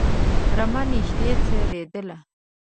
رمه نږدې څرېدله.